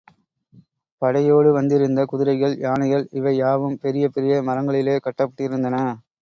படையோடு வந்திருந்த குதிரைகள், யானைகள் இவை யாவும் பெரிய பெரிய மரங்களிலே கட்டப்பட்டிருந்தன.